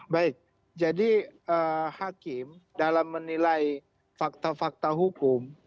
baik jadi hakim dalam menilai fakta fakta hukum